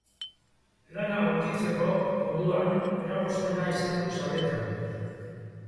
Lana aurkitzeko orduan eragozpen izan du sarritan.